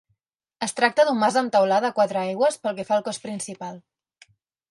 Es tracta d'un mas amb teulada a quatre aigües pel que fa al cos principal.